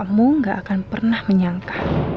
kamu gak akan pernah menyangka